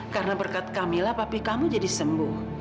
karena berkat kamila papi kamu jadi sembuh